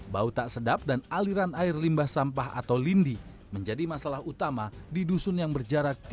bau tak sedap dan aliran air limbah sampah atau lindi menjadi masalah utama di dusun yang berjarak tiga meter